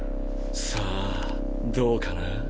さあどうかな？